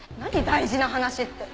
大事な話って。